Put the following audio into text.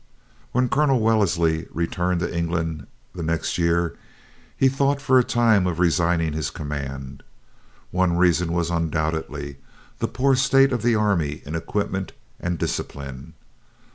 When Colonel Wellesley returned to England the next year, he thought for a time of resigning his command. One reason was undoubtedly the poor state of the army in equipment and discipline.